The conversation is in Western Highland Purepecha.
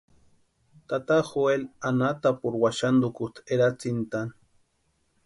Tata Joeli anatapurhu waxantukusti eratsintʼani.